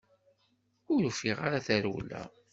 Ur ufiɣ ara tarewla.